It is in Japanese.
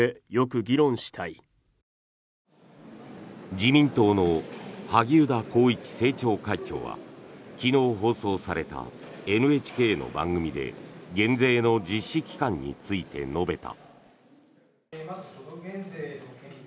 自民党の萩生田光一政調会長は昨日、放送されたＮＨＫの番組で減税の実施期間について述べた。